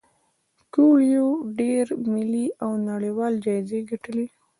کویلیو ډیر ملي او نړیوال جایزې ګټلي دي.